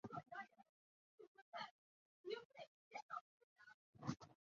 中华民国成立后去世。